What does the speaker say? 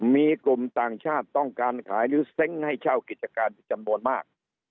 มีกลุ่มต่างชาติต้องการขายหรือเซ้งให้เช่ากิจการเป็นจำนวนมาก